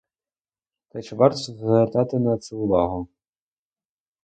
Та й чи варто звертати на це увагу?